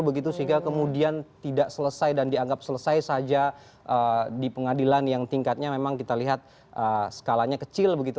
begitu sehingga kemudian tidak selesai dan dianggap selesai saja di pengadilan yang tingkatnya memang kita lihat skalanya kecil begitu